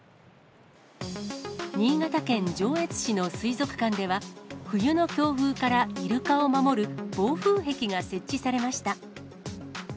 新潟県上越市の水族館では、冬の強風からイルカを守る、暴風壁が設置されました。